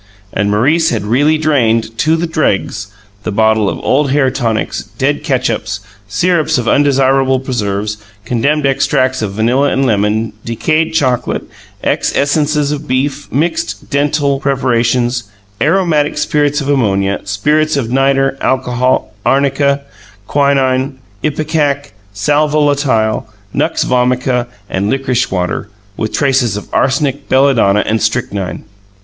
And Maurice had really drained to the dregs the bottle of old hair tonics, dead catsups, syrups of undesirable preserves, condemned extracts of vanilla and lemon, decayed chocolate, ex essence of beef, mixed dental preparations, aromatic spirits of ammonia, spirits of nitre, alcohol, arnica, quinine, ipecac, sal volatile, nux vomica and licorice water with traces of arsenic, belladonna and strychnine.